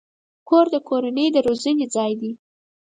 کور د کورنۍ د روزنې ځای دی.